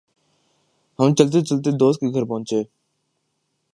ہم چلتے چلتے دوست کے گھر پہنچے ۔